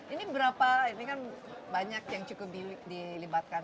ini berapa ini kan banyak yang cukup dilibatkan